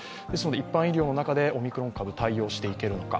一般医療の中でオミクロン株対応していけるのか。